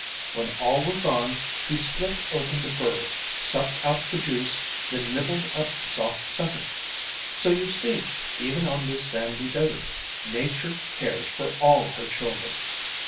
When all were gone he split open the burr, sucked out the juice, then nibbled up the soft center. So you see, even on this sandy desert, Nature cares for all her children.